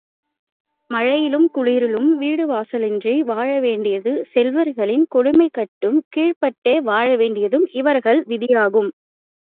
மழையிலும் குளிரிலும் வீடுவாசலின்றி வாழவேண்டியதும், செல்வர்களின் கொடுமைகட்குக் கீழ்ப்பட்டே வாழவேண்டியதும் இவர்கள் விதியாகும்.